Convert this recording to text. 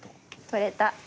取れた。